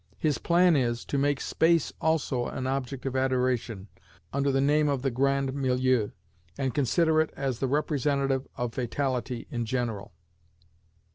His plan is, to make Space also an object of adoration, under the name of the Grand Milieu, and consider it as the representative of Fatality in general.